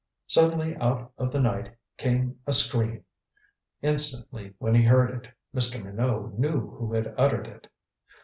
Suddenly out of the night came a scream. Instantly when he heard it, Mr. Minot knew who had uttered it.